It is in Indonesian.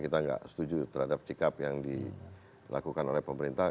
kita nggak setuju terhadap sikap yang dilakukan oleh pemerintah